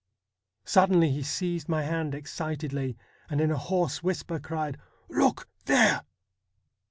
Sud denly he seized my hand excitedly, and in a hoarse whisper cried :' Look there